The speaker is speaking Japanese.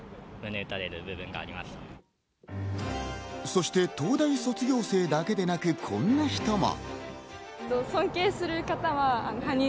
そして東大卒業生だけでなく、こんな人も。